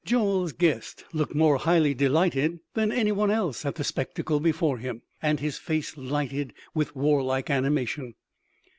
Joel's guest looked more highly delighted than anyone else at the spectacle before him, and his face lighted with warlike animation.